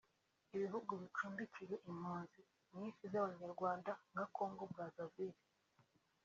Ibihugu bicumbikiye impunzi nyinshi z’Abanyarwanda nka Congo Brazaville